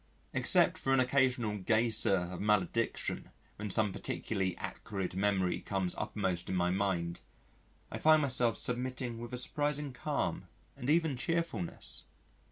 Except for an occasional geyser of malediction when some particularly acrid memory comes uppermost in my mind, I find myself submitting with a surprising calm and even cheerfulness.